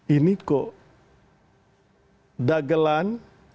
ini kok dagelan